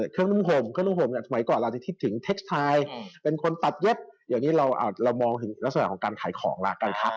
เครื่องนุ่มห่มเราก็อาจจะทิ้งที่ทิศท์ไทยเป็นคนตัดเย็กดังนี้ก็คือมอาศัยของการขายของ